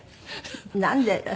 なんで？